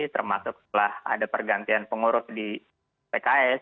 termasuk setelah ada pergantian pengurus di pks